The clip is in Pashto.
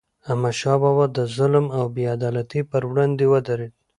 احمد شاه بابا د ظلم او بې عدالتی پر وړاندې ودرید.